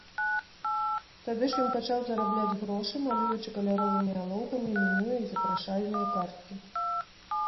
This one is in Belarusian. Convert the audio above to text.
Тады ж ён пачаў зарабляць грошы, малюючы каляровымі алоўкамі меню і запрашальныя карткі.